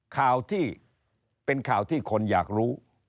ข่าวที่เป็นข่าวที่คนอยากรู้